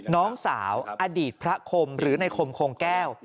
น้องสาวอดีตพระคมหรือในคมโคงแก้ว